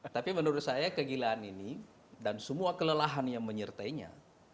tapi menurut saya kegilaan ini dan semua kelelahan yang menyertainya